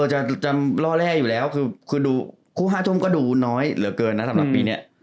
จะล่อแร่อยู่แล้วคือดูคู่๕ทุ่มก็ดูน้อยเหลือเกินนะสำหรับปีนี้